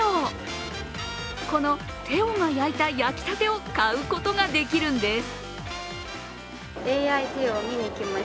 このＴＨＥＯが焼いた焼きたてを買うことができるんです。